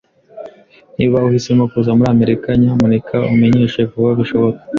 Niba uhisemo kuza muri Amerika, nyamuneka umenyeshe vuba bishoboka.